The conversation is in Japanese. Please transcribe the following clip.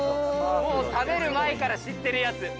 もう食べる前から知ってるやつ